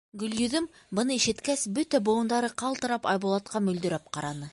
Гөлйөҙөм, быны ишеткәс, бөтә быуындары ҡалтырап, Айбулатҡа мөлдөрәп ҡараны.